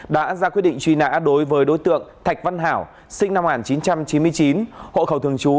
đã ra quyết định truy nã đối với đối tượng thạch văn hảo sinh năm một nghìn chín trăm chín mươi chín hộ khẩu thường trú